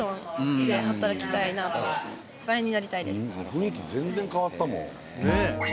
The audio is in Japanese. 雰囲気全然変わったもん！